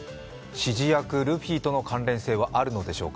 指示役・ルフィとの関連性はあるのでしょうか。